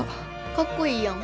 かっこいいやん。